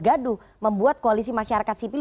gaduh membuat koalisi masyarakat sipil